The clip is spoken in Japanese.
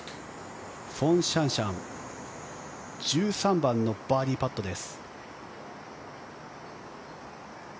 フォン・シャンシャン１３番のバーディーパットです。